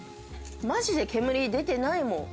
マジで煙出てないもん。